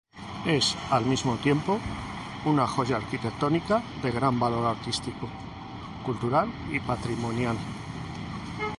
Es, al mismo tiempo, una joya arquitectónica de gran valor artístico, cultural y patrimonial.